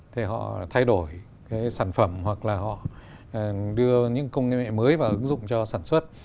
để họ thay đổi cái sản phẩm hoặc là họ đưa những công nghệ mới vào ứng dụng cho sản xuất